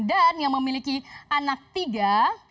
dan yang memiliki anak tiga